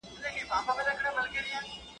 o مېږی لا هم په خپل کور کي مست وي.